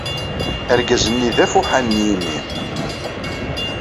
Argaz-nni d afuḥan n yimi.